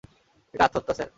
এটা আত্মহত্যা, স্যার।